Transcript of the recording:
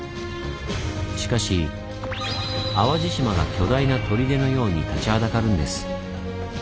しかし淡路島が巨大な砦のように立ちはだかるんです。